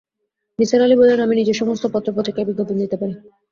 নিসার আলি বললেন, আমি নিজে সমস্ত পত্র-পত্রিকায় বিজ্ঞাপন দিতে পারি।